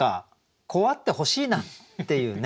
こうあってほしいなっていうね。